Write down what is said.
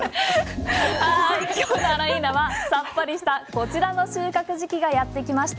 今日のあら、いーな！はさっぱりしたこちらの収穫時期がやってきました。